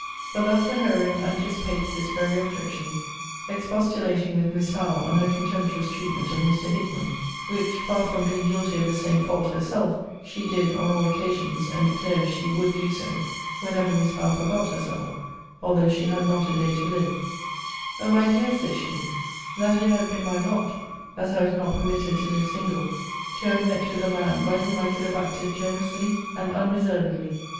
For thus the heroine anticipates this very objection, expostulating with Miss Howe on her contemptuous treatment of Mr. Hickman; which (far from being guilty of the same fault herself) she did, on all occasions, and declares she would do so, whenever Miss Howe forgot herself, although she had not a day to live: 'O my dear,' says she, 'that it had been my lot (as I was not permitted to live single) to have met with a man, by whom I could have acted generously and unreservedly!